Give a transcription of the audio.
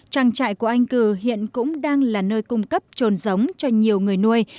trang trại của anh cử hiện cũng đang là nơi cung cấp trồn giống cho nhiều người nuôi